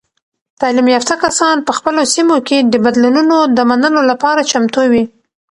تعلیم یافته کسان په خپلو سیمو کې د بدلونونو د منلو لپاره چمتو وي.